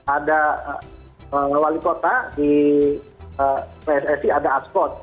ada wali kota di pssi ada aspot